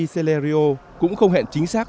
celerio cũng không hẹn chính xác